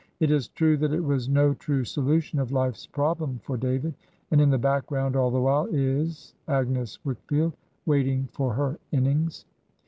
It is true that it was no true solution of life's problem for David; and in the background all the while, is Agnes Wickfield, waiting for her innings.